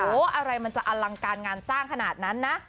โอ้โหอะไรมันจะอลังการงานสร้างขนาดนั้นนะ